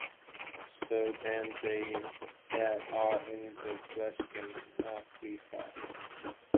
So then they that are in the flesh cannot please God.